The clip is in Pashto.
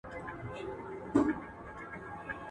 د بدن وزن وساته